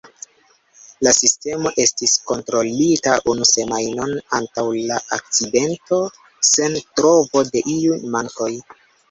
La sistemo estis kontrolita unu semajnon antaŭ la akcidento, sen trovo de iuj mankoj.